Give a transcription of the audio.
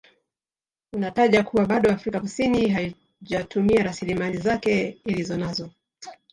Unataja kuwa bado Afrika Kusini haijatumia rasilimali zake Ilizonanazo